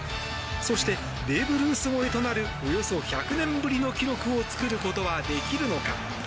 そしてベーブ・ルース超えとなるおよそ１００年ぶりの記録を作ることはできるのか。